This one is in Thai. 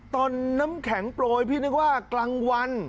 น้ำแข็งโปรยพี่นึกว่ากลางวัน